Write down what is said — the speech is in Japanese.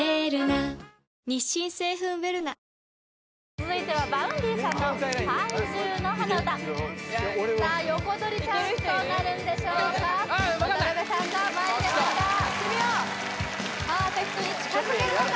続いてはＶａｕｎｄｙさんの「怪獣の花唄」さあ横取りチャンスとなるんでしょうか分かんない渡辺さんが前に出ましたパーフェクトに近づけるのか？